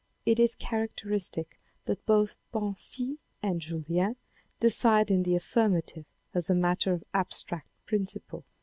It is characteristic that both Bansi and Julien decide in the affirmative as a matter of abstract principle.